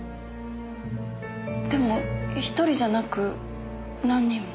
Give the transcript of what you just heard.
でも１人じゃなく何人も。